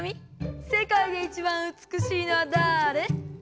世界でいちばんうつくしいのはだれ？」。